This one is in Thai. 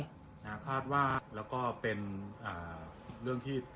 นะฮะคาดว่าแล้วก็เป็นเรื่องที่